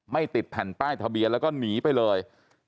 ติดแผ่นป้ายทะเบียนแล้วก็หนีไปเลย